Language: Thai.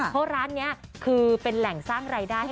เพราะร้านนี้คือเป็นแหล่งสร้างรายได้ให้